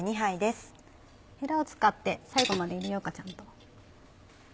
ヘラを使って最後まで入れようかちゃんと。